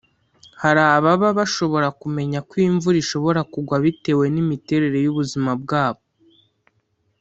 Hari ababa bashobora kumenya ko imvura ishobora kugwa bitewe n’imiterere y’ubuzima bwabo